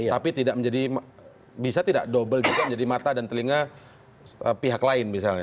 tapi tidak menjadi bisa tidak double juga menjadi mata dan telinga pihak lain misalnya